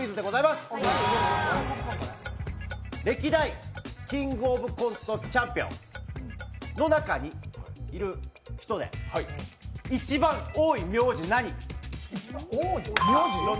歴代「キングオブコント」チャンピオンの中にいる人で一番多い名字、何？